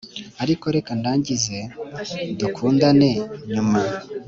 ariko reka ndangize dukundane nyuma."